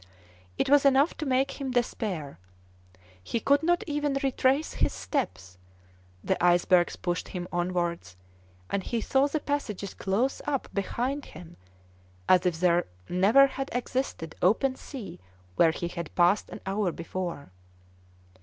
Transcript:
It was enough to make him despair; he could not even retrace his steps; the icebergs pushed him onwards, and he saw the passages close up behind him as if there never had existed open sea where he had passed an hour before.